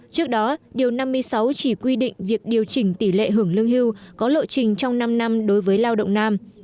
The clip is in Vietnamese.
trước đó điều năm mươi sáu chỉ quy định việc điều chỉnh tỷ lệ hưởng lương hưu có lộ trình trong năm năm đối với lao động nam